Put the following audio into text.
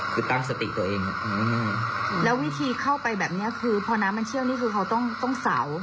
คือตั้งสติตัวเองแล้ววิธีเข้าไปแบบนี้คือพอน้ำมันเชี่ยวนี่คือเขาต้องเสา